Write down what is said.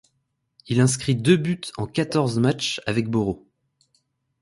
Il inscrit deux buts en quatorze matchs avec Boro.